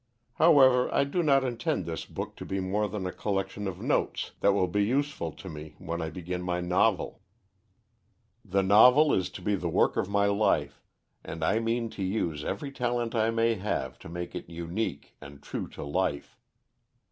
However, I do not intend this book to be more than a collection of notes that will be useful to me when I begin my novel. The novel is to be the work of my life, and I mean to use every talent I may have to make it unique and true to life.